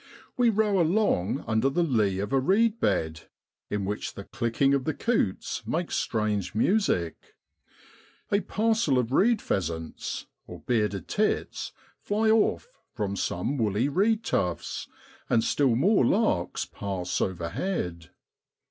We row along under the lee of a reed bed, in which the clicking of the coots makes strange music; a parcel of reed pheasants (bearded tits) fly off from some woolly reed tufts, and still more larks pass overhead.